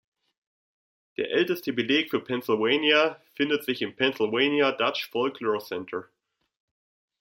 Der älteste Beleg für Pennsylvania findet sich im "Pennsylvania Dutch Folklore Center".